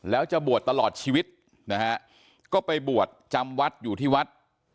แล้วจะบวชตลอดชีวิตนะฮะก็ไปบวชจำวัดอยู่ที่วัด